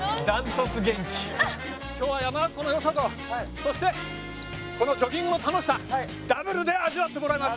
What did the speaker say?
今日は山中湖の良さとそしてこのジョギングの楽しさダブルで味わってもらいます。